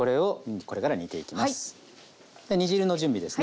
煮汁の準備ですね。